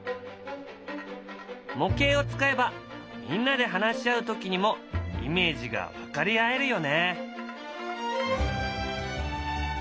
模型を使えばみんなで話し合う時にもイメージが分かり合えるよね。